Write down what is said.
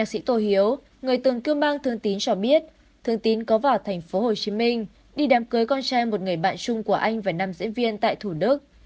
công băng thương tín cho biết thương tín có vào thành phố hồ chí minh đi đám cưới con trai một người bạn chung của anh và năm diễn viên tại thủ đức